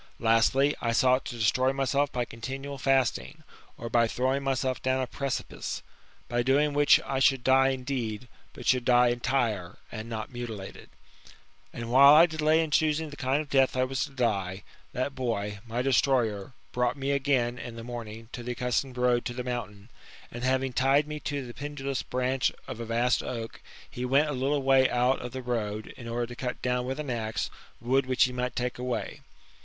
Lastly, I sought to destroy myself by continual fasting, or by throwing myself down a precipice ; by doing which I should die indeed, but should die entire [and not mutilated]. And while I delay in choosing the kind of death 1 was to die, that boy, my destroyer, brought me again, in the morning, to the accustomed road to the mountain ; and, having tied me to the pendulous branch of a vast oak, he went a little way out of the road, in order to cut down, with an axe, wood which he might take away.